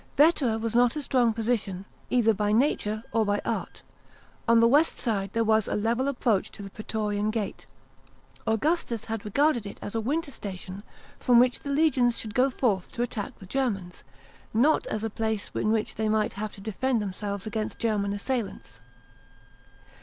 Vetera was not a strong position, either by nature or by art. On the west side there was a level approach to the praatorian gate. Augustus had regarded it as a winter station, from which the legions should go forth to attack the Germans, not as a place in which they might have to defei d themselves against German assailants.